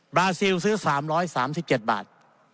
ราซิลซื้อ๓๓๗บาท